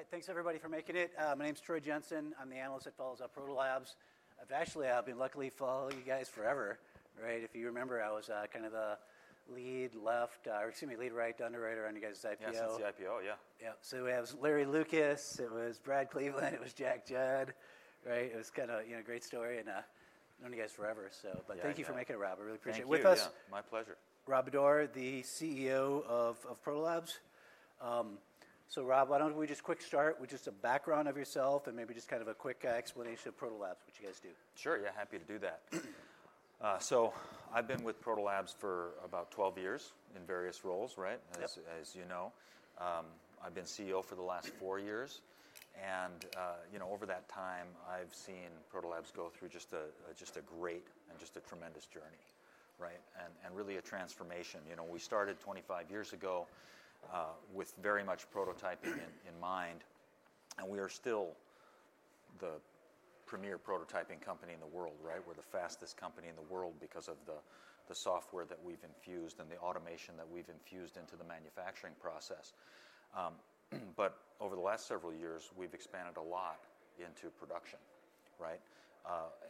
All right, thanks everybody for making it. My name's Troy Jensen. I'm the analyst at Proto Labs. Actually, I've been luckily following you guys forever. Right? If you remember, I was kind of the lead left, or excuse me, lead right, underwriter on you guys' IPO. I was on the IPO, yeah. Yeah. We have Larry Lukis. It was Brad Cleveland. It was Jack Judd. Right? It was kind of a great story. I have known you guys forever. Thank you for making it, Rob. I really appreciate it. With us. Yeah, my pleasure. Rob Bodor, the CEO of Proto Labs. Rob, why don't we just quick start with just a background of yourself and maybe just kind of a quick explanation of Proto Labs, what you guys do? Sure, yeah. Happy to do that. I've been with Proto Labs for about 12 years in various roles, right, as you know. I've been CEO for the last four years. Over that time, I've seen Proto Labs go through just a great and just a tremendous journey, right, and really a transformation. We started 25 years ago with very much prototyping in mind. We are still the premier prototyping company in the world, right? We're the fastest company in the world because of the software that we've infused and the automation that we've infused into the manufacturing process. Over the last several years, we've expanded a lot into production, right,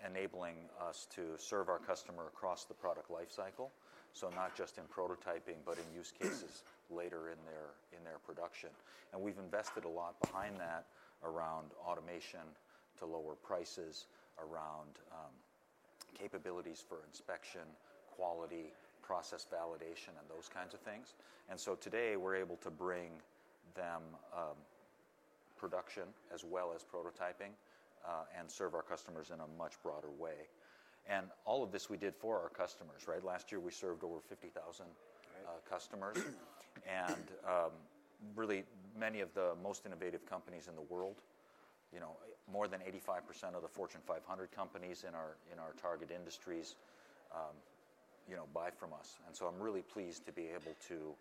enabling us to serve our customer across the product lifecycle. Not just in prototyping, but in use cases later in their production. We have invested a lot behind that around automation to lower prices, around capabilities for inspection, quality, process validation, and those kinds of things. Today, we are able to bring them production as well as prototyping and serve our customers in a much broader way. All of this we did for our customers, right? Last year, we served over 50,000 customers. Really, many of the most innovative companies in the world, more than 85% of the Fortune 500 companies in our target industries buy from us. I am really pleased to be able to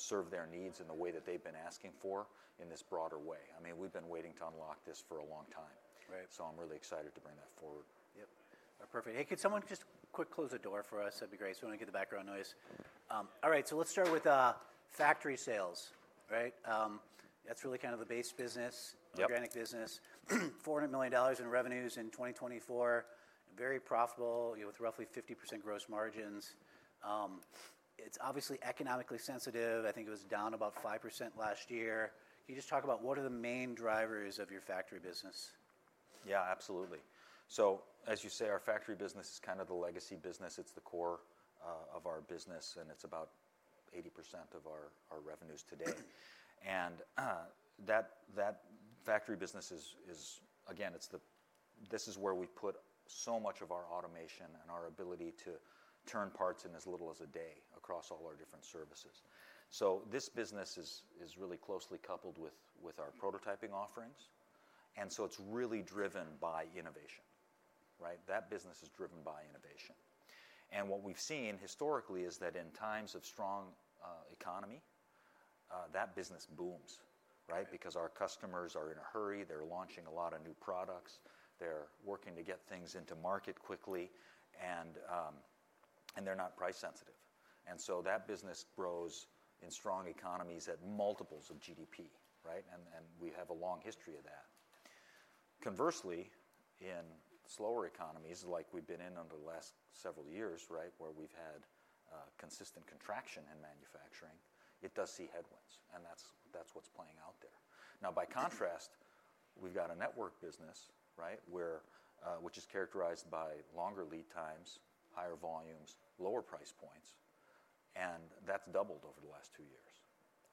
serve their needs in the way that they have been asking for in this broader way. I mean, we have been waiting to unlock this for a long time. I am really excited to bring that forward. Yep. Perfect. Hey, could someone just quick close the door for us? That'd be great. So we don't get the background noise. All right, let's start with factory sales, right? That's really kind of the base business, organic business. $400 million in revenues in 2024, very profitable with roughly 50% gross margins. It's obviously economically sensitive. I think it was down about 5% last year. Can you just talk about what are the main drivers of your factory business? Yeah, absolutely. As you say, our factory business is kind of the legacy business. It's the core of our business, and it's about 80% of our revenues today. That factory business is, again, this is where we put so much of our automation and our ability to turn parts in as little as a day across all our different services. This business is really closely coupled with our prototyping offerings. It's really driven by innovation, right? That business is driven by innovation. What we've seen historically is that in times of strong economy, that business booms, right, because our customers are in a hurry. They're launching a lot of new products. They're working to get things into market quickly. They're not price sensitive. That business grows in strong economies at multiples of GDP, right? We have a long history of that. Conversely, in slower economies like we have been in under the last several years, right, where we have had consistent contraction in manufacturing, it does see headwinds. That is what is playing out there. By contrast, we have a network business, right, which is characterized by longer lead times, higher volumes, lower price points. That has doubled over the last two years,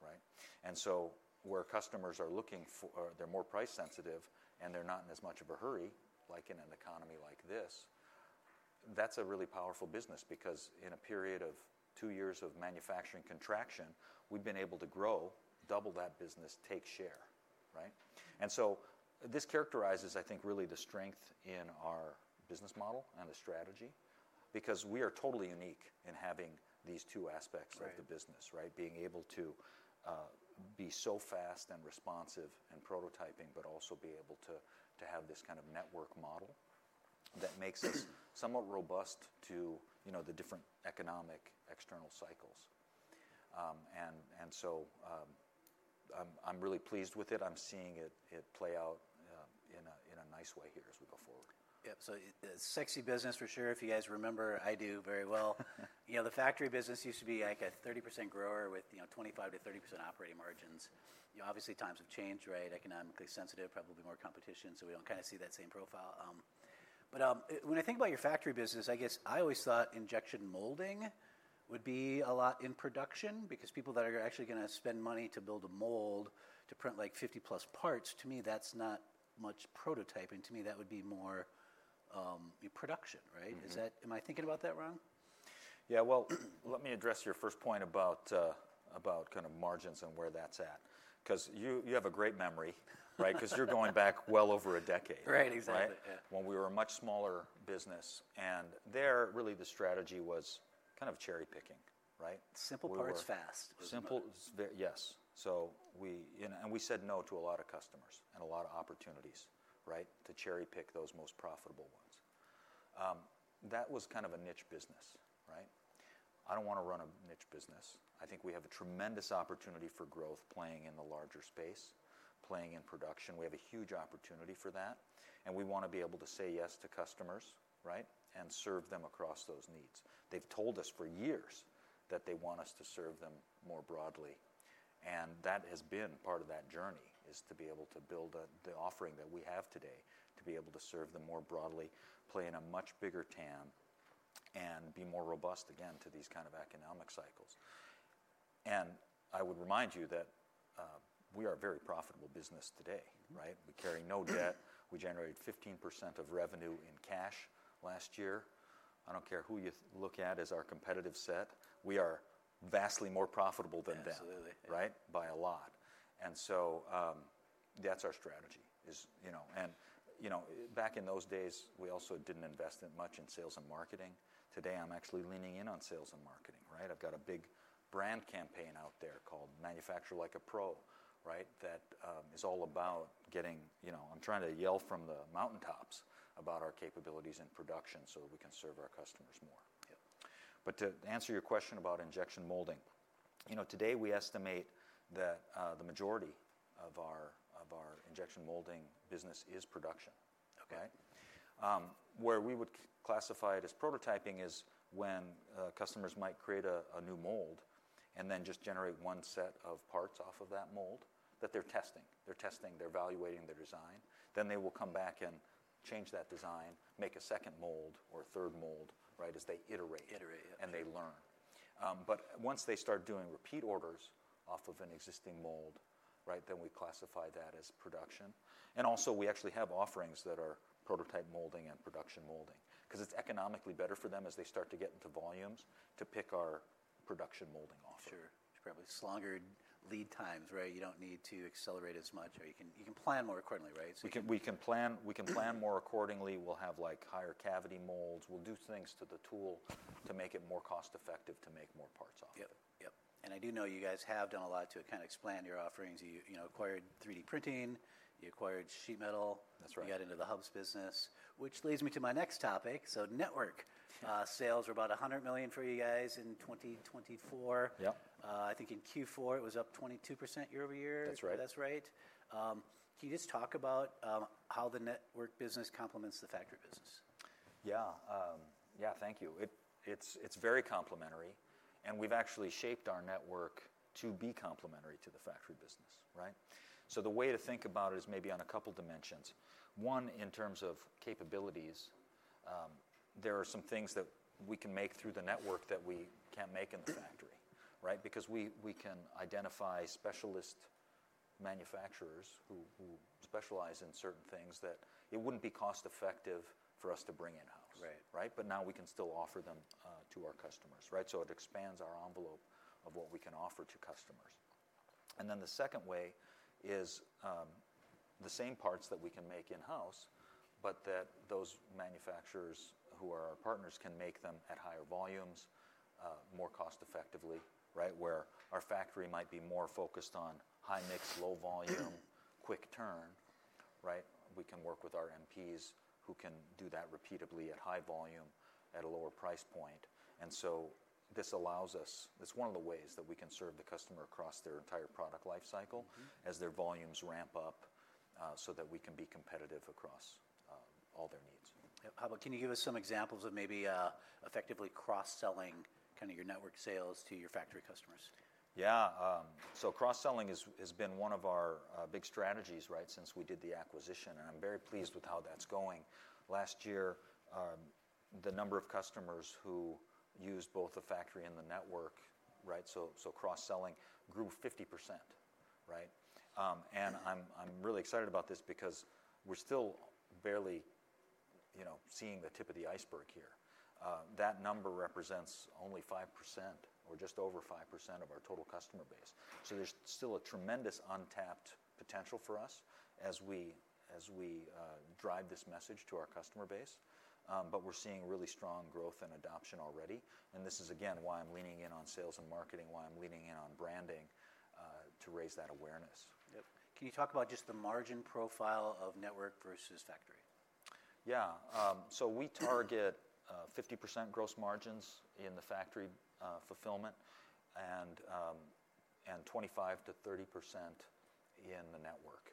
right? Where customers are looking for, they are more price sensitive, and they are not in as much of a hurry like in an economy like this, that is a really powerful business because in a period of two years of manufacturing contraction, we have been able to grow, double that business, take share, right? This characterizes, I think, really the strength in our business model and the strategy because we are totally unique in having these two aspects of the business, right, being able to be so fast and responsive in prototyping, but also be able to have this kind of network model that makes us somewhat robust to the different economic external cycles. I am really pleased with it. I am seeing it play out in a nice way here as we go forward. Yep. Sexy business for sure. If you guys remember, I do very well. The factory business used to be like a 30% grower with 25%-30% operating margins. Obviously, times have changed, right? Economically sensitive, probably more competition. We do not kind of see that same profile. When I think about your factory business, I guess I always thought injection molding would be a lot in production because people that are actually going to spend money to build a mold to print like 50+ parts, to me, that is not much prototyping. To me, that would be more production, right? Am I thinking about that wrong? Yeah, let me address your first point about kind of margins and where that's at because you have a great memory, right, because you're going back well over a decade. Right, exactly. When we were a much smaller business. There, really, the strategy was kind of cherry picking, right? Simple parts fast. Simple, yes. We said no to a lot of customers and a lot of opportunities, right, to cherry pick those most profitable ones. That was kind of a niche business, right? I do not want to run a niche business. I think we have a tremendous opportunity for growth playing in the larger space, playing in production. We have a huge opportunity for that. We want to be able to say yes to customers, right, and serve them across those needs. They have told us for years that they want us to serve them more broadly. That has been part of that journey, to be able to build the offering that we have today to be able to serve them more broadly, play in a much bigger TAM, and be more robust, again, to these kind of economic cycles. I would remind you that we are a very profitable business today, right? We carry no debt. We generated 15% of revenue in cash last year. I do not care who you look at as our competitive set. We are vastly more profitable than them, right, by a lot. That is our strategy. Back in those days, we also did not invest much in sales and marketing. Today, I am actually leaning in on sales and marketing, right? I have got a big brand campaign out there called ''Manufacture Like a Pro'', right, that is all about getting—I am trying to yell from the mountaintops about our capabilities in production so that we can serve our customers more. To answer your question about injection molding, today, we estimate that the majority of our injection molding business is production, right? Where we would classify it as prototyping is when customers might create a new mold and then just generate one set of parts off of that mold that they're testing. They're testing. They're evaluating their design. They will come back and change that design, make a second mold or third mold, right, as they iterate and they learn. Once they start doing repeat orders off of an existing mold, right, we classify that as production. We actually have offerings that are prototype molding and production molding because it's economically better for them as they start to get into volumes to pick our production molding off of. Sure. It's probably just longer lead times, right? You don't need to accelerate as much. You can plan more accordingly, right? We can plan more accordingly. We'll have higher cavity molds. We'll do things to the tool to make it more cost-effective to make more parts off of it. Yep. Yep. I do know you guys have done a lot to kind of expand your offerings. You acquired 3D printing. You acquired sheet metal. You got into the Hubs business, which leads me to my next topic. Network sales were about $100 million for you guys in 2024. I think in Q4, it was up 22% year over year. That's right. That's right. Can you just talk about how the network business complements the factory business? Yeah. Yeah, thank you. It's very complementary. And we've actually shaped our network to be complementary to the factory business, right? The way to think about it is maybe on a couple of dimensions. One, in terms of capabilities, there are some things that we can make through the network that we can't make in the factory, right, because we can identify specialist manufacturers who specialize in certain things that it wouldn't be cost-effective for us to bring in-house, right? Now we can still offer them to our customers, right? It expands our envelope of what we can offer to customers. The second way is the same parts that we can make in-house, but those manufacturers who are our partners can make them at higher volumes, more cost-effectively, right, where our factory might be more focused on high mix, low volume, quick turn, right? We can work with our MPs who can do that repeatedly at high volume at a lower price point. This allows us, it's one of the ways that we can serve the customer across their entire product lifecycle as their volumes ramp up so that we can be competitive across all their needs. Yep. How about, can you give us some examples of maybe effectively cross-selling kind of your network sales to your factory customers? Yeah. Cross-selling has been one of our big strategies, right, since we did the acquisition. I'm very pleased with how that's going. Last year, the number of customers who used both the factory and the network, right, so cross-selling, grew 50%, right? I'm really excited about this because we're still barely seeing the tip of the iceberg here. That number represents only 5% or just over 5% of our total customer base. There's still a tremendous untapped potential for us as we drive this message to our customer base. We're seeing really strong growth and adoption already. This is, again, why I'm leaning in on sales and marketing, why I'm leaning in on branding to raise that awareness. Yep. Can you talk about just the margin profile of network versus factory? Yeah. We target 50% gross margins in the factory fulfillment and 25%-30% in the network.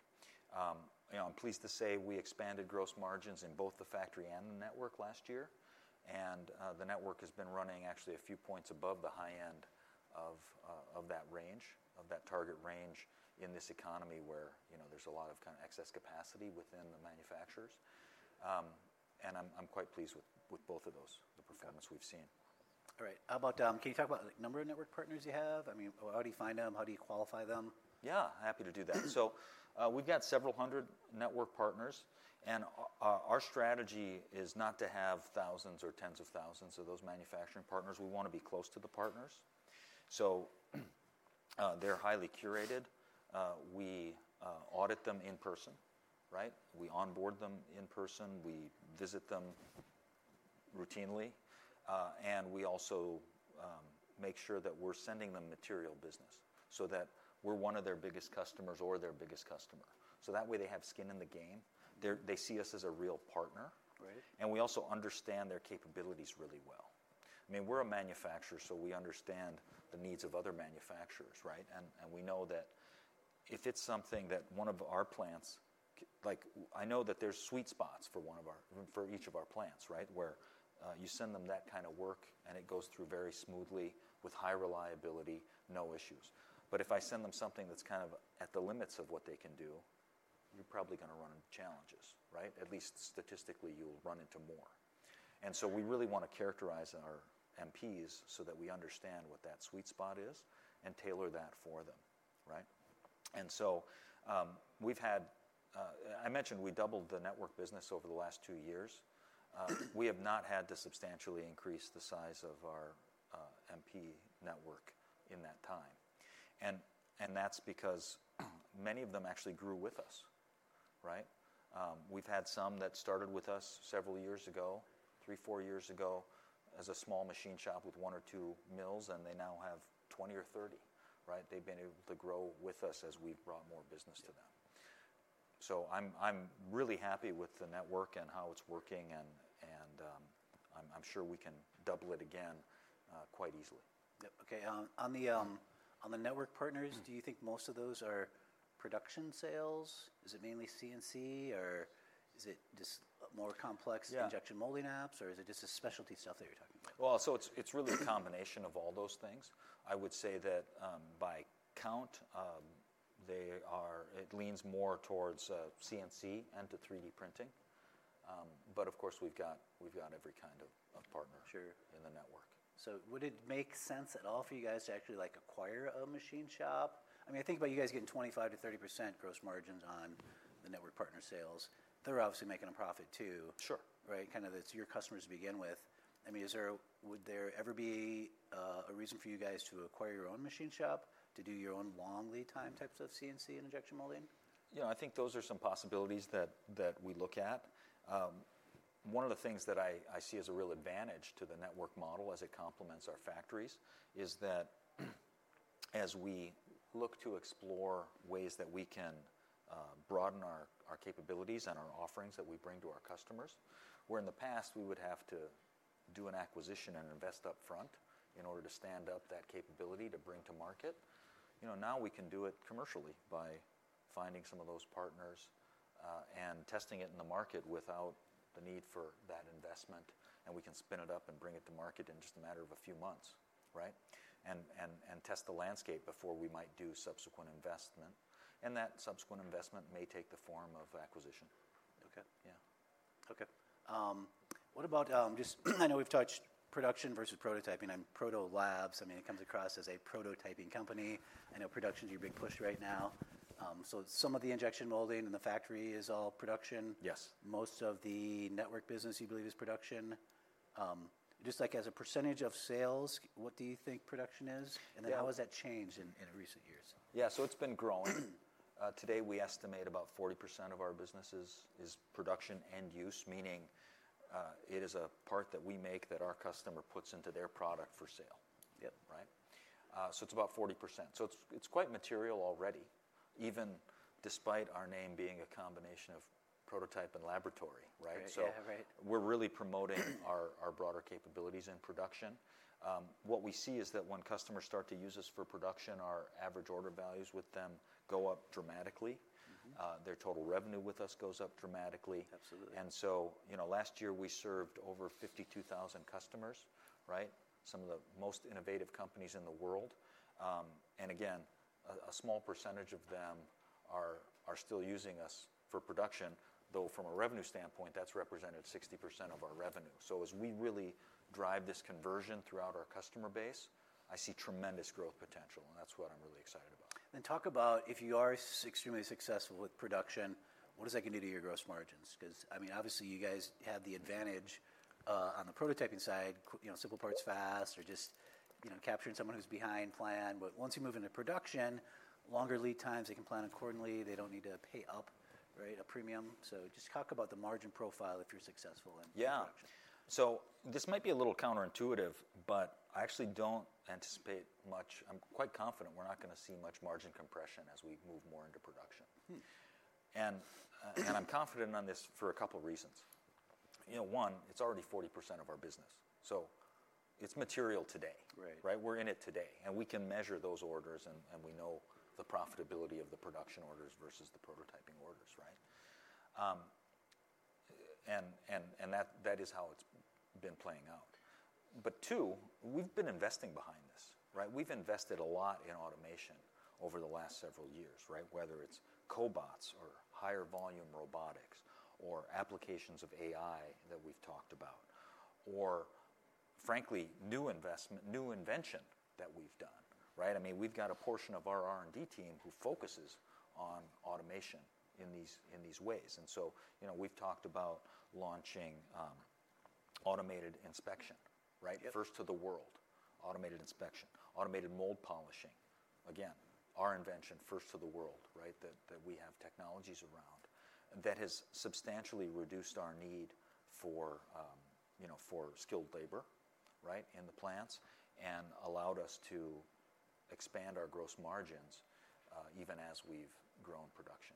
I'm pleased to say we expanded gross margins in both the factory and the network last year. The network has been running actually a few points above the high end of that range, of that target range in this economy where there's a lot of kind of excess capacity within the manufacturers. I'm quite pleased with both of those, the performance we've seen. All right. How about, can you talk about number of network partners you have? I mean, how do you find them? How do you qualify them? Yeah, happy to do that. We've got several hundred network partners. Our strategy is not to have thousands or tens of thousands of those manufacturing partners. We want to be close to the partners. They're highly curated. We audit them in person, right? We onboard them in person. We visit them routinely. We also make sure that we're sending them material business so that we're one of their biggest customers or their biggest customer. That way, they have skin in the game. They see us as a real partner. We also understand their capabilities really well. I mean, we're a manufacturer, so we understand the needs of other manufacturers, right? We know that if it is something that one of our plants, like I know that there are sweet spots for each of our plants, right, where you send them that kind of work, and it goes through very smoothly with high reliability, no issues. If I send them something that is kind of at the limits of what they can do, you are probably going to run into challenges, right? At least statistically, you will run into more. We really want to characterize our MPs so that we understand what that sweet spot is and tailor that for them, right? We have had, I mentioned we doubled the network business over the last two years. We have not had to substantially increase the size of our MP network in that time. That is because many of them actually grew with us, right? We've had some that started with us several years ago, three, four years ago as a small machine shop with 1 or 2 mills, and they now have 20 or 30, right? They've been able to grow with us as we've brought more business to them. I'm really happy with the network and how it's working. I'm sure we can double it again quite easily. Yep. Okay. On the network partners, do you think most of those are production sales? Is it mainly CNC, or is it just more complex injection molding apps, or is it just the specialty stuff that you're talking about? It is really a combination of all those things. I would say that by count, it leans more towards CNC and to 3D printing. Of course, we have every kind of partner in the network. Would it make sense at all for you guys to actually acquire a machine shop? I mean, I think about you guys getting 25%-30% gross margins on the network partner sales. They're obviously making a profit too, right? Kind of it's your customers to begin with. I mean, would there ever be a reason for you guys to acquire your own machine shop to do your own long lead time types of CNC and injection molding? Yeah, I think those are some possibilities that we look at. One of the things that I see as a real advantage to the network model as it complements our factories is that as we look to explore ways that we can broaden our capabilities and our offerings that we bring to our customers, where in the past, we would have to do an acquisition and invest upfront in order to stand up that capability to bring to market, now we can do it commercially by finding some of those partners and testing it in the market without the need for that investment. We can spin it up and bring it to market in just a matter of a few months, right, and test the landscape before we might do subsequent investment. That subsequent investment may take the form of acquisition. Okay. Yeah. Okay. What about just, I know we've touched production versus prototyping. I mean, Proto Labs, I mean, it comes across as a prototyping company. I know production is your big push right now. Some of the injection molding in the factory is all production? Yes. Most of the network business you believe is production? Just like as a percentage of sales, what do you think production is? How has that changed in recent years? Yeah, so it's been growing. Today, we estimate about 40% of our business is production and use, meaning it is a part that we make that our customer puts into their product for sale, right? So it's about 40%. It is quite material already, even despite our name being a combination of prototype and laboratory, right? We are really promoting our broader capabilities in production. What we see is that when customers start to use us for production, our average order values with them go up dramatically. Their total revenue with us goes up dramatically. Absolutely. Last year, we served over 52,000 customers, right? Some of the most innovative companies in the world. Again, a small percentage of them are still using us for production, though from a revenue standpoint, that represented 60% of our revenue. As we really drive this conversion throughout our customer base, I see tremendous growth potential. That is what I am really excited about. Talk about if you are extremely successful with production, what does that get into your gross margins? Because, I mean, obviously, you guys have the advantage on the prototyping side, simple parts fast or just capturing someone who's behind plan. Once you move into production, longer lead times, they can plan accordingly. They do not need to pay up, right, a premium. Just talk about the margin profile if you're successful in production. Yeah. This might be a little counterintuitive, but I actually don't anticipate much. I'm quite confident we're not going to see much margin compression as we move more into production. I'm confident on this for a couple of reasons. One, it's already 40% of our business. It's material today, right? We're in it today. We can measure those orders, and we know the profitability of the production orders versus the prototyping orders, right? That is how it's been playing out. Two, we've been investing behind this, right? We've invested a lot in automation over the last several years, right? Whether it's cobots or higher volume robotics or applications of AI that we've talked about or, frankly, new invention that we've done, right? I mean, we've got a portion of our R&D team who focuses on automation in these ways. We have talked about launching automated inspection, right? First to the world, automated inspection, automated mold polishing. Again, our invention first to the world, right, that we have technologies around that has substantially reduced our need for skilled labor, right, in the plants and allowed us to expand our gross margins even as we have grown production.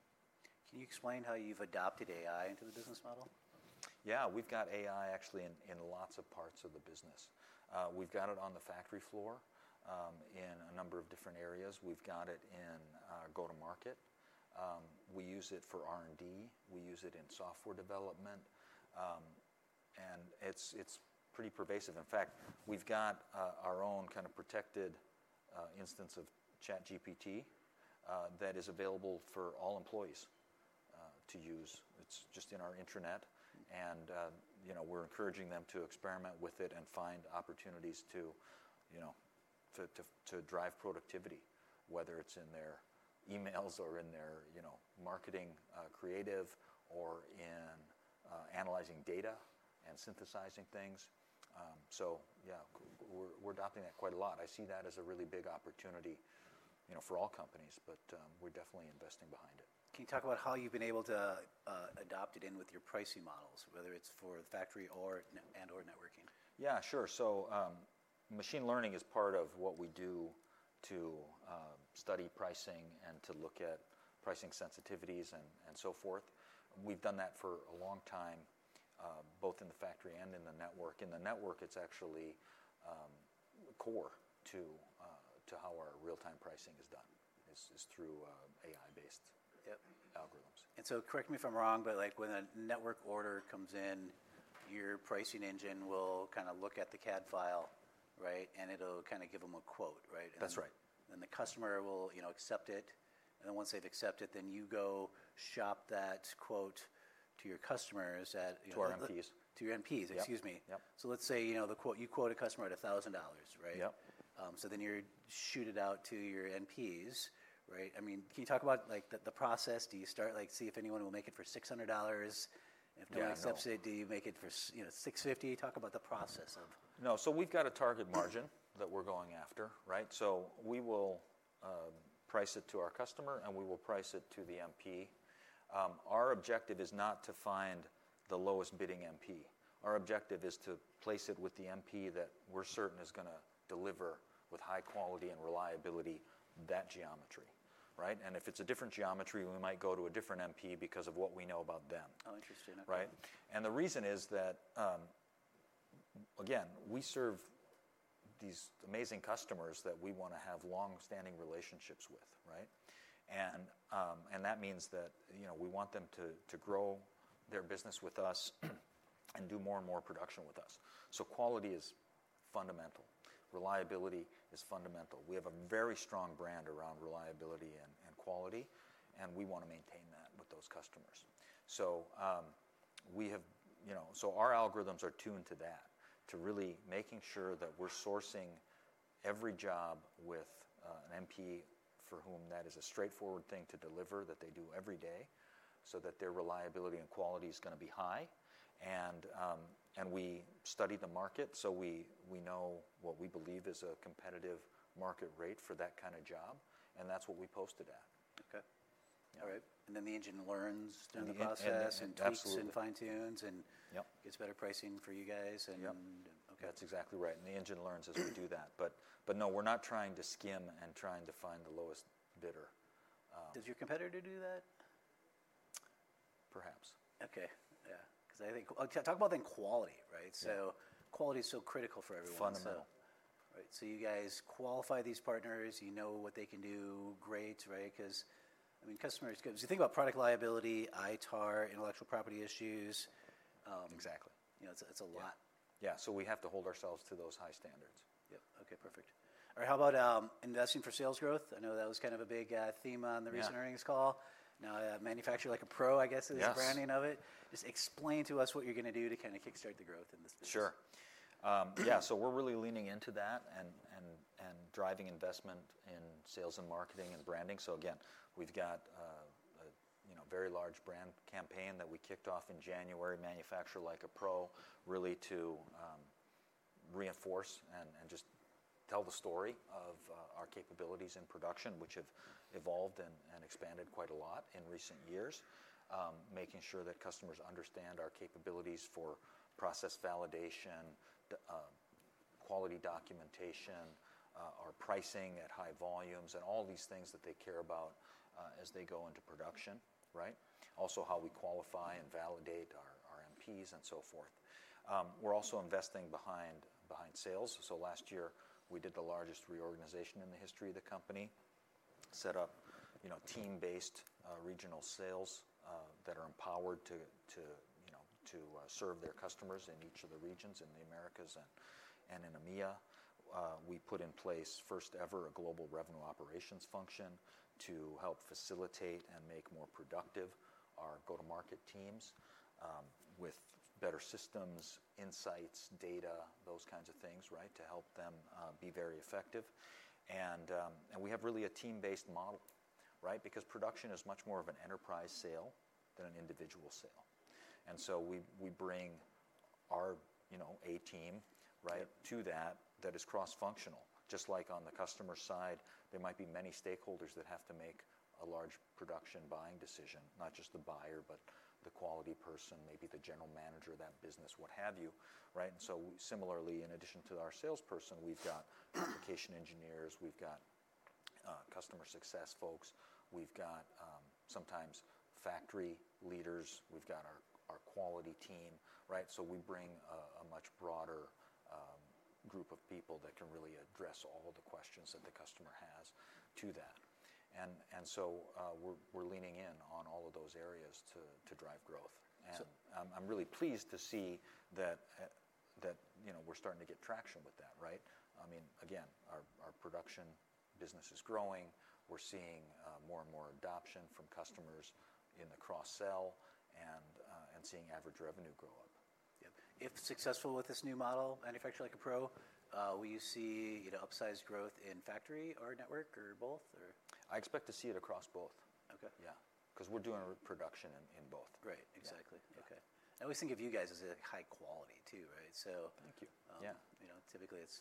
Can you explain how you've adopted AI into the business model? Yeah. We've got AI actually in lots of parts of the business. We've got it on the factory floor in a number of different areas. We've got it in go-to-market. We use it for R&D. We use it in software development. It's pretty pervasive. In fact, we've got our own kind of protected instance of ChatGPT that is available for all employees to use. It's just in our intranet. We're encouraging them to experiment with it and find opportunities to drive productivity, whether it's in their emails or in their marketing creative or in analyzing data and synthesizing things. Yeah, we're adopting that quite a lot. I see that as a really big opportunity for all companies, but we're definitely investing behind it. Can you talk about how you've been able to adopt it in with your pricing models, whether it's for the factory and/or networking? Yeah, sure. Machine learning is part of what we do to study pricing and to look at pricing sensitivities and so forth. We've done that for a long time, both in the factory and in the network. In the network, it's actually core to how our real-time pricing is done, is through AI-based algorithms. Correct me if I'm wrong, but when a network order comes in, your pricing engine will kind of look at the CAD file, right? And it'll kind of give them a quote, right? That's right. The customer will accept it. Once they've accepted it, you go shop that quote to your customers at. To our MPs. To your MPs, excuse me. Yeah. Let's say you quote a customer at $1,000, right? Yep. Then you shoot it out to your MPs, right? I mean, can you talk about the process? Do you start, see if anyone will make it for $600? If no one accepts it, do you make it for $650? Talk about the process of. No. We've got a target margin that we're going after, right? We will price it to our customer, and we will price it to the MP. Our objective is not to find the lowest bidding MP. Our objective is to place it with the MP that we're certain is going to deliver with high quality and reliability that geometry, right? If it's a different geometry, we might go to a different MP because of what we know about them, right? Oh, interesting. The reason is that, again, we serve these amazing customers that we want to have long-standing relationships with, right? That means that we want them to grow their business with us and do more and more production with us. Quality is fundamental. Reliability is fundamental. We have a very strong brand around reliability and quality. We want to maintain that with those customers. Our algorithms are tuned to that, to really making sure that we're sourcing every job with an MP for whom that is a straightforward thing to deliver that they do every day so that their reliability and quality is going to be high. We study the market. We know what we believe is a competitive market rate for that kind of job. That's what we posted at. Okay. All right. The engine learns during the process and tweaks and fine-tunes and gets better pricing for you guys. Yep. That's exactly right. The engine learns as we do that. No, we're not trying to skim and trying to find the lowest bidder. Does your competitor do that? Perhaps. Okay. Yeah. Because I think talk about then quality, right? So quality is so critical for everyone. Fundamental. Right. So you guys qualify these partners. You know what they can do. Great, right? Because I mean, customers, because you think about product liability, ITAR, intellectual property issues. Exactly. It's a lot. Yeah. We have to hold ourselves to those high standards. Yep. Okay. Perfect. All right. How about investing for sales growth? I know that was kind of a big theme on the recent earnings call. Now, 'Manufacture Like a Pro', I guess, is the branding of it. Just explain to us what you're going to do to kind of kickstart the growth in this business. Sure. Yeah. We're really leaning into that and driving investment in sales and marketing and branding. Again, we've got a very large brand campaign that we kicked off in January, 'Manufacture Like a Pro', really to reinforce and just tell the story of our capabilities in production, which have evolved and expanded quite a lot in recent years, making sure that customers understand our capabilities for process validation, quality documentation, our pricing at high volumes, and all these things that they care about as they go into production, right? Also how we qualify and validate our MPs and so forth. We're also investing behind sales. Last year, we did the largest reorganization in the history of the company, set up team-based regional sales that are empowered to serve their customers in each of the regions in the Americas and in EMEA. We put in place first ever a global revenue operations function to help facilitate and make more productive our go-to-market teams with better systems, insights, data, those kinds of things, right, to help them be very effective. We have really a team-based model, right? Because production is much more of an enterprise sale than an individual sale. We bring our A-team, right, to that that is cross-functional. Just like on the customer side, there might be many stakeholders that have to make a large production buying decision, not just the buyer, but the quality person, maybe the general manager of that business, what have you, right? Similarly, in addition to our salesperson, we've got application engineers. We've got customer success folks. We've got sometimes factory leaders. We've got our quality team, right? We bring a much broader group of people that can really address all the questions that the customer has to that. We are leaning in on all of those areas to drive growth. I am really pleased to see that we are starting to get traction with that, right? I mean, again, our production business is growing. We are seeing more and more adoption from customers in the cross-sell and seeing average revenue grow up. Yep. If successful with this new model, 'Manufacture Like a Pro', will you see upsized growth in factory or network or both? I expect to see it across both. Okay. Yeah. Because we're doing production in both. Great. Exactly. Okay. We think of you guys as a high quality too, right? So. Thank you. Yeah. Typically, it's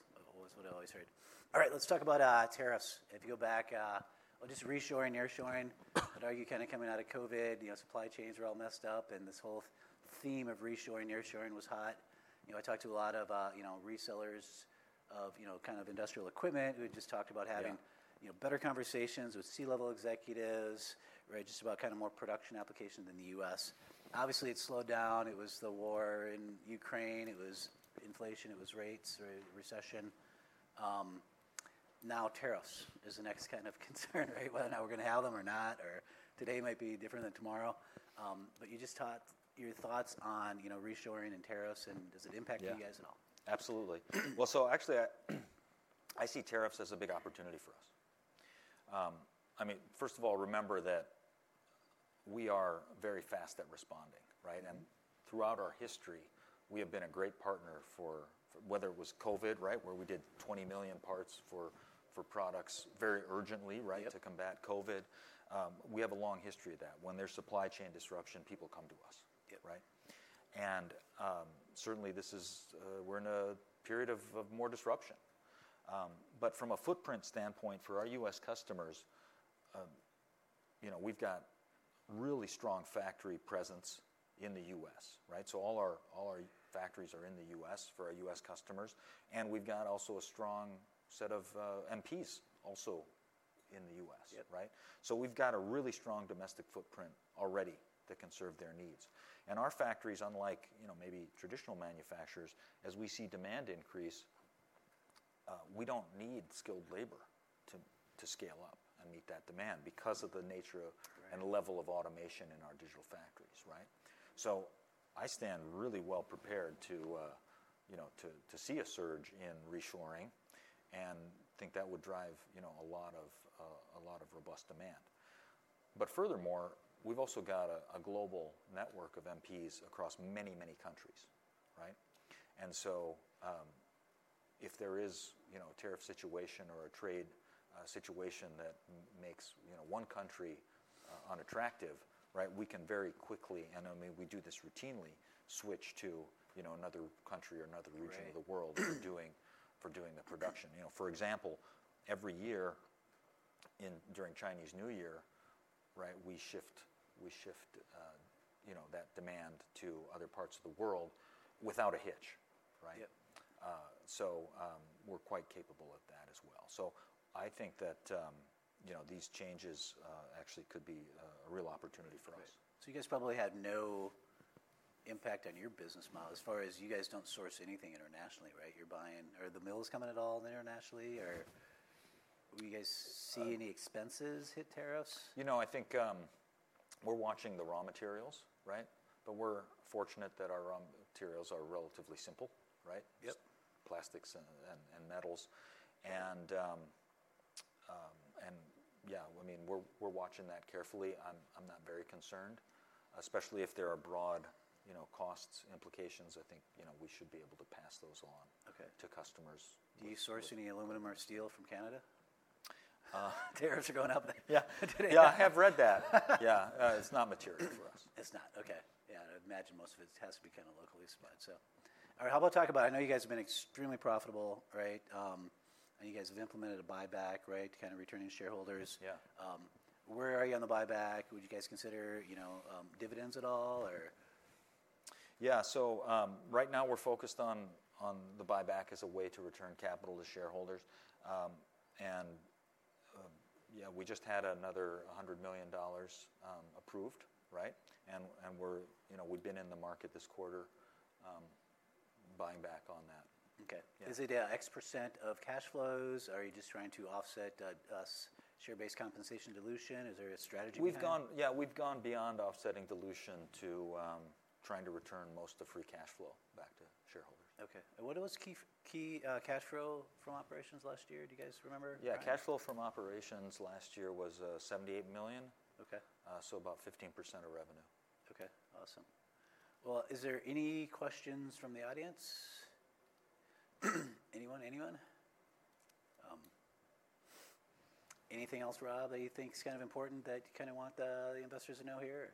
what I always heard. All right. Let's talk about tariffs. If you go back, just reshoring, nearshoring, I'd argue kind of coming out of COVID, supply chains were all messed up. And this whole theme of reshoring, nearshoring was hot. I talked to a lot of resellers of kind of industrial equipment who had just talked about having better conversations with C-level executives, right, just about kind of more production applications in the U.S. Obviously, it slowed down. It was the war in Ukraine. It was inflation. It was rates or recession. Now, tariffs is the next kind of concern, right? Whether or not we're going to have them or not, or today might be different than tomorrow. But you just taught your thoughts on reshoring and tariffs, and does it impact you guys at all? Absolutely. Actually, I see tariffs as a big opportunity for us. I mean, first of all, remember that we are very fast at responding, right? Throughout our history, we have been a great partner for whether it was COVID, right, where we did 20 million parts for products very urgently, right, to combat COVID. We have a long history of that. When there's supply chain disruption, people come to us, right? Certainly, this is a period of more disruption. From a footprint standpoint for our U.S. customers, we've got really strong factory presence in the U.S., right? All our factories are in the U.S. for our U.S. customers. We've also got a strong set of MPs also in the U.S., right? We've got a really strong domestic footprint already that can serve their needs. Our factories, unlike maybe traditional manufacturers, as we see demand increase, we do not need skilled labor to scale up and meet that demand because of the nature and level of automation in our digital factories, right? I stand really well prepared to see a surge in reshoring and think that would drive a lot of robust demand. Furthermore, we have also got a global network of MPs across many, many countries, right? If there is a tariff situation or a trade situation that makes one country unattractive, right, we can very quickly, and I mean, we do this routinely, switch to another country or another region of the world for doing the production. For example, every year during Chinese New Year, right, we shift that demand to other parts of the world without a hitch, right? We are quite capable at that as well. I think that these changes actually could be a real opportunity for us. You guys probably had no impact on your business model as far as you guys don't source anything internationally, right? Are the mills coming at all internationally? Or will you guys see any expenses hit tariffs? You know, I think we're watching the raw materials, right? But we're fortunate that our raw materials are relatively simple, right? Plastics and metals. Yeah, I mean, we're watching that carefully. I'm not very concerned, especially if there are broad cost implications. I think we should be able to pass those along to customers. Do you source any aluminum or steel from Canada? Tariffs are going up there. Yeah. I have read that. Yeah. It's not material for us. It's not. Okay. Yeah. I imagine most of it has to be kind of locally supplied. All right. How about talk about, I know you guys have been extremely profitable, right? And you guys have implemented a buyback, right, to kind of returning shareholders. Where are you on the buyback? Would you guys consider dividends at all or? Yeah. Right now, we're focused on the buyback as a way to return capital to shareholders. Yeah, we just had another $100 million approved, right? We've been in the market this quarter buying back on that. Okay. Is it an X% of cash flows? Are you just trying to offset a share-based compensation dilution? Is there a strategy there? Yeah. We've gone beyond offsetting dilution to trying to return most of the free cash flow back to shareholders. Okay. What was key cash flow from operations last year? Do you guys remember? Yeah. Cash flow from operations last year was $78 million. So about 15% of revenue. Okay. Awesome. Is there any questions from the audience? Anyone? Anyone? Anything else, Rob, that you think is kind of important that you kind of want the investors to know here?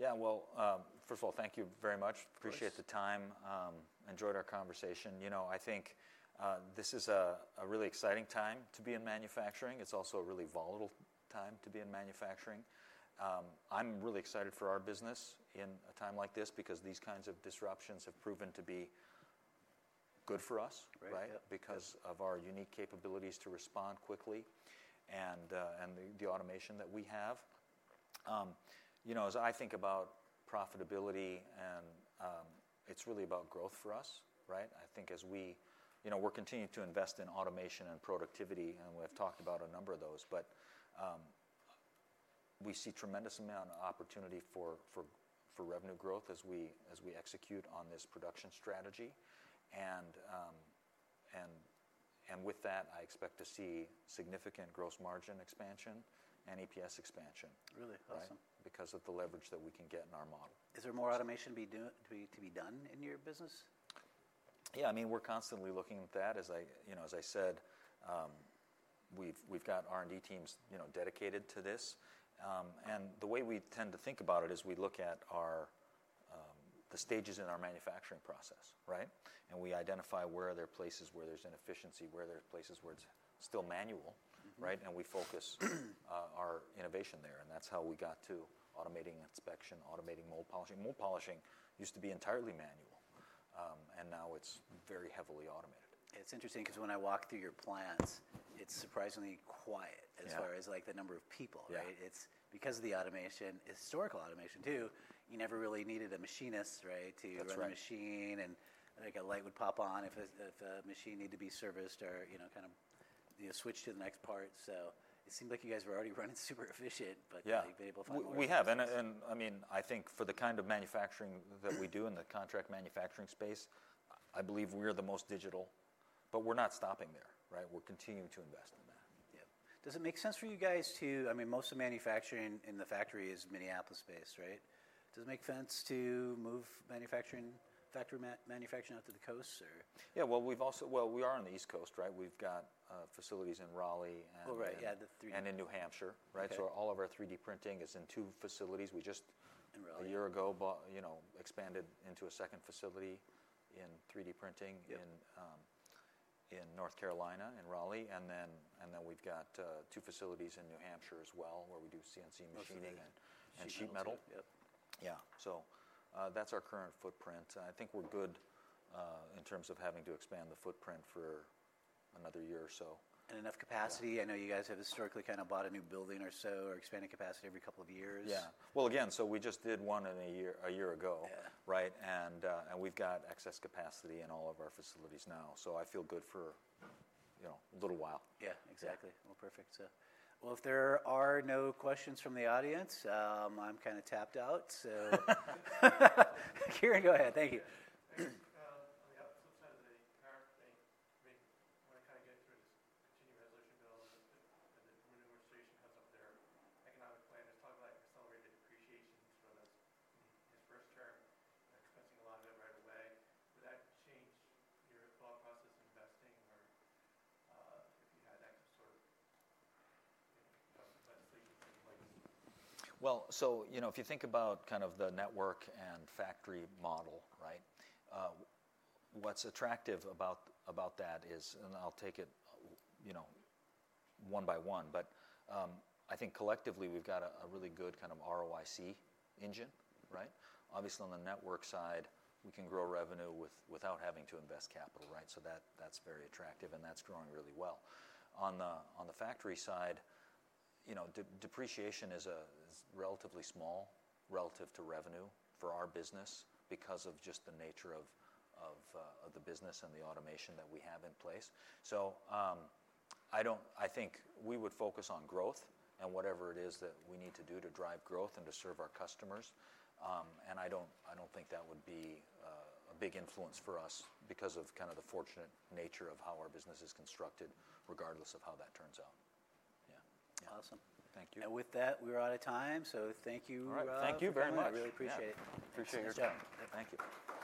Yeah. First of all, thank you very much. Appreciate the time. Enjoyed our conversation. I think this is a really exciting time to be in manufacturing. It's also a really volatile time to be in manufacturing. I'm really excited for our business in a time like this because these kinds of disruptions have proven to be good for us, right, because of our unique capabilities to respond quickly and the automation that we have. As I think about profitability, it's really about growth for us, right? I think as we are continuing to invest in automation and productivity. We have talked about a number of those. We see a tremendous amount of opportunity for revenue growth as we execute on this production strategy. With that, I expect to see significant gross margin expansion and EPS expansion. Really? Awesome. Because of the leverage that we can get in our model. Is there more automation to be done in your business? Yeah. I mean, we're constantly looking at that. As I said, we've got R&D teams dedicated to this. The way we tend to think about it is we look at the stages in our manufacturing process, right? We identify where there are places where there's inefficiency, where there are places where it's still manual, right? We focus our innovation there. That's how we got to automating inspection, automating mold polishing. Mold polishing used to be entirely manual. Now it's very heavily automated. It's interesting because when I walk through your plants, it's surprisingly quiet as far as the number of people, right? Because of the automation, historical automation too, you never really needed a machinist, right, to run a machine. I think a light would pop on if a machine needed to be serviced or kind of switched to the next part. It seemed like you guys were already running super efficient, but you've been able to find ways. We have. I mean, I think for the kind of manufacturing that we do in the contract manufacturing space, I believe we're the most digital. We're not stopping there, right? We're continuing to invest in that. Yeah. Does it make sense for you guys to, I mean, most of the manufacturing in the factory is Minneapolis-based, right? Does it make sense to move manufacturing, factory manufacturing, out to the coast or? Yeah. We are on the East Coast, right? We've got facilities in Raleigh and. Oh, right. Yeah. The 3D. In New Hampshire, right? All of our 3D printing is in two facilities. We just a year ago expanded into a second facility in 3D printing in North Carolina in Raleigh. We have two facilities in New Hampshire as well where we do CNC machining and sheet metal. Yeah. That is our current footprint. I think we are good in terms of having to expand the footprint for another year or so. have enough capacity? I know you guys have historically kind of bought a new building or so or expanded capacity every couple of years. Yeah. Again, we just did one a year ago, right? We've got excess capacity in all of our facilities now. I feel good for a little while. Yeah. Exactly. Perfect. If there are no questions from the audience, I'm kind of tapped out. Kieran, go ahead. Thank you. On the upsides of the current thing, I mean, when I kind of get through this continuing resolution bill and the renewal station comes up, their economic plan is talking about accelerated depreciation from his first term, expensing a lot of it right away. Would that change your thought process in investing or if you had that sort of investment legislation in place? If you think about kind of the network and factory model, right, what's attractive about that is, and I'll take it one by one, but I think collectively we've got a really good kind of ROIC engine, right? Obviously, on the network side, we can grow revenue without having to invest capital, right? That is very attractive. That is growing really well. On the factory side, depreciation is relatively small relative to revenue for our business because of just the nature of the business and the automation that we have in place. I think we would focus on growth and whatever it is that we need to do to drive growth and to serve our customers. I do not think that would be a big influence for us because of kind of the fortunate nature of how our business is constructed regardless of how that turns out. Yeah. Awesome. Thank you. We're out of time. Thank you, Rob. Thank you very much. I really appreciate it. Appreciate your time. Thank you. Thank you.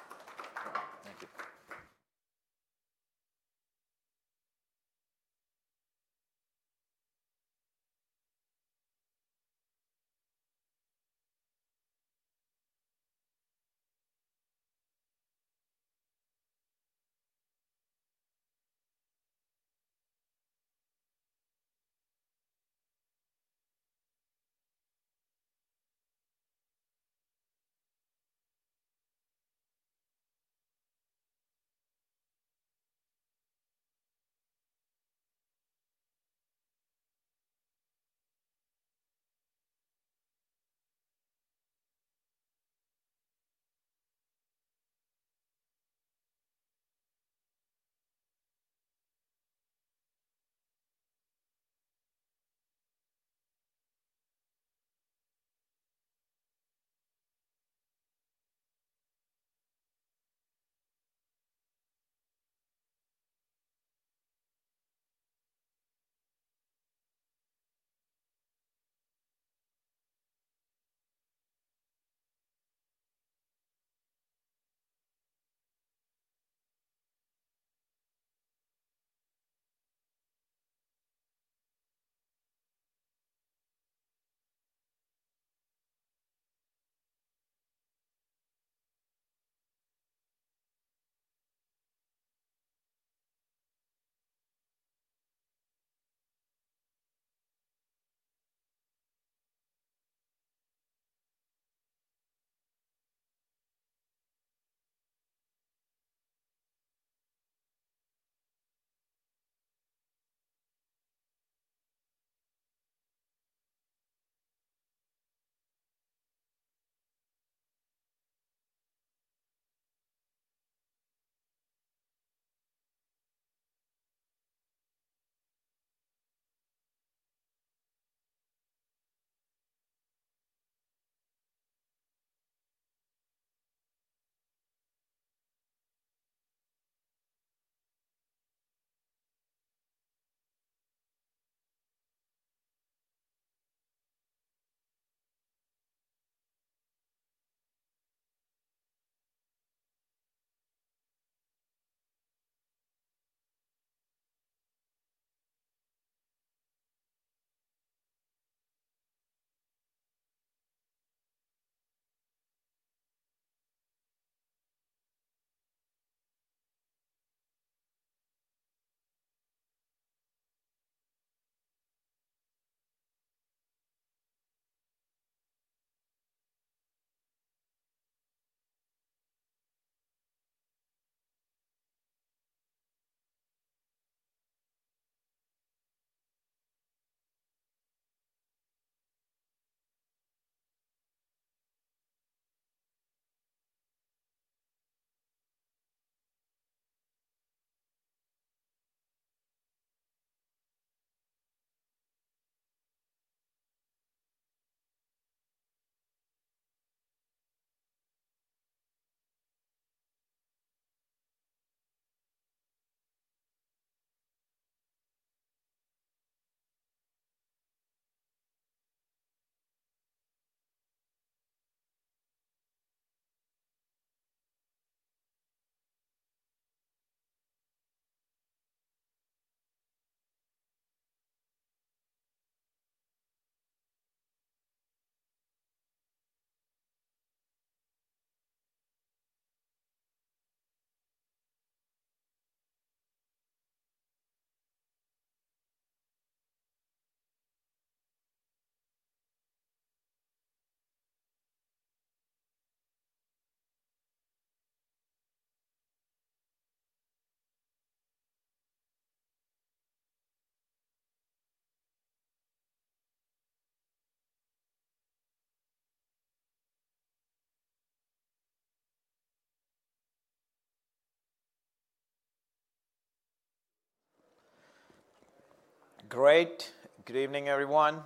Great. Good evening, everyone.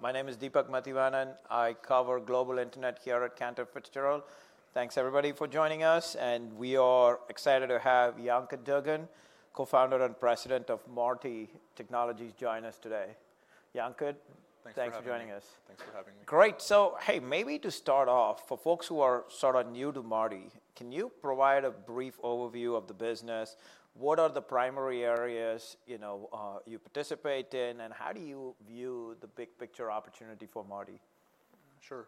My name is Deepak Mathivanan. I cover global internet here at Cantor Fitzgerald. Thanks, everybody, for joining us. We are excited to have Cankut Durgun, co-founder and president of Marti Technologies, join us today. Cankut, thanks for joining us. Thanks for having me. Great. Hey, maybe to start off, for folks who are sort of new to Marti, can you provide a brief overview of the business? What are the primary areas you participate in? How do you view the big picture opportunity for Marti? Sure.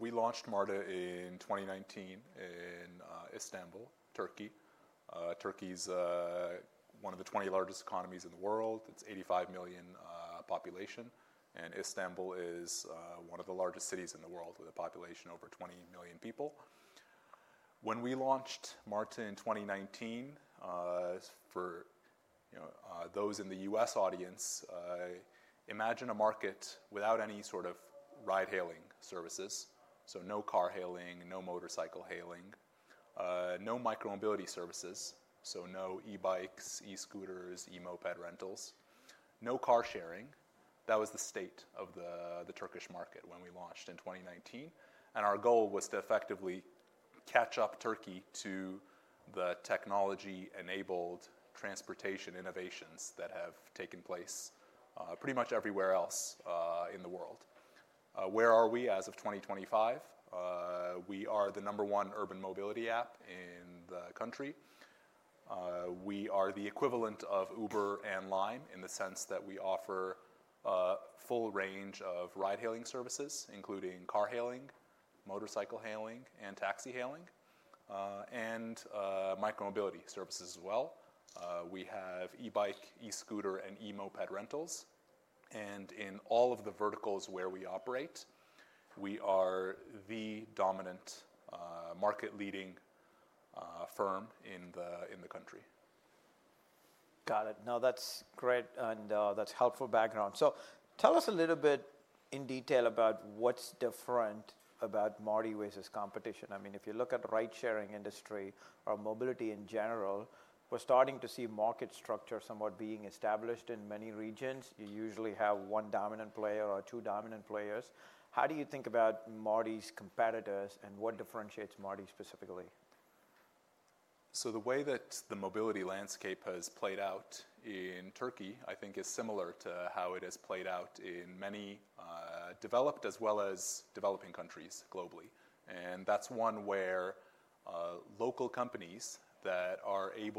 We launched Marti in 2019 in Istanbul, Turkey. Turkey is one of the 20 largest economies in the world. It is an 85 million population. Istanbul is one of the largest cities in the world with a population over 20 million people. When we launched Marti in 2019, for those in the U.S. audience, imagine a market without any sort of ride-hailing services. No car hailing, no motorcycle hailing, no micromobility services. No e-bikes, e-scooters, e-moped rentals, no car sharing. That was the state of the Turkish market when we launched in 2019. Our goal was to effectively catch up Turkey to the technology-enabled transportation innovations that have taken place pretty much everywhere else in the world. Where are we as of 2025? We are the number one urban mobility app in the country. We are the equivalent of Uber and Lime in the sense that we offer a full range of ride-hailing services, including car hailing, motorcycle hailing, and taxi hailing, and micromobility services as well. We have e-bike, e-scooter, and e-moped rentals. In all of the verticals where we operate, we are the dominant market-leading firm in the country. Got it. No, that's great. That's helpful background. Tell us a little bit in detail about what's different about Marti versus competition. I mean, if you look at the ride-sharing industry or mobility in general, we're starting to see market structures somewhat being established in many regions. You usually have one dominant player or two dominant players. How do you think about Marti's competitors and what differentiates Marti specifically? The way that the mobility landscape has played out in Turkey, I think, is similar to how it has played out in many developed as well as developing countries globally. That's one where local companies that are able.